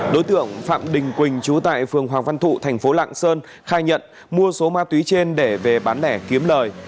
đối tượng phạm đình quỳnh chú tại phường hoàng văn thụ thành phố lạng sơn khai nhận mua số ma túy trên để về bán lẻ kiếm lời